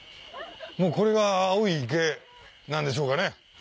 もうこれが青い池なんでしょうかね。